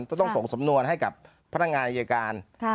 ก็ต้องส่งสำนวนให้กับพนักงานนิยาการค่ะ